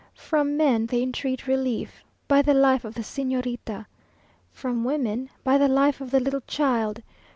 From men they entreat relief "By the life of the Señorita." From women, "By the life of the little child!"